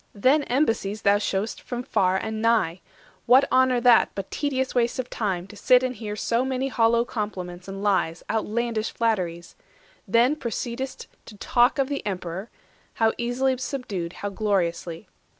Then embassies thou shew'st From nations far and nigh! What honour that, But tedious waste of time, to sit and hear So many hollow compliments and lies, Outlandish flatteries? Then proceed'st to talk Of the Emperor, how easily subdued, How gloriously.